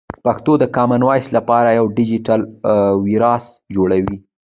پښتو د کامن وایس له لارې یوه ډیجیټل میراث جوړوي.